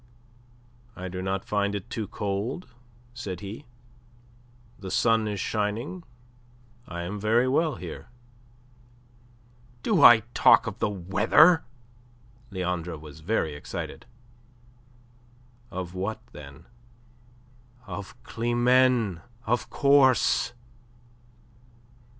"I do not find it too cold," said he. "The sun is shining. I am very well here." "Do I talk of the weather?" Leandre was very excited. "Of what, then?" "Of Climene, of course."